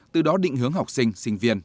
từ đó định hướng học sinh sinh viên